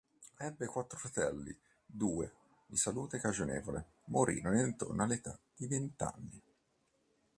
Ebbe quattro fratelli: due, di salute cagionevole, morirono intorno all'età di vent'anni.